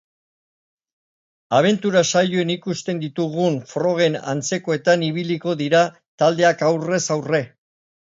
Abentura saioan ikusten ditugun frogen antzekoetan ibiliko dira taldeak aurrez aurre.